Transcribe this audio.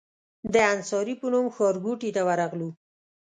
د انصاري په نوم ښارګوټي ته ورغلو.